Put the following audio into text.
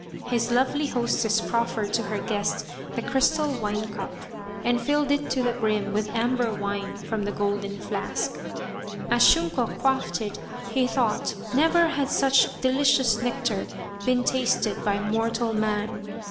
His lovely hostess proffered to her guest the crystal winecup, and filled it to the brim with amber wine from the golden flask. As Shunko quaffed it, he thought never had such delicious nectar been tasted by mortal man.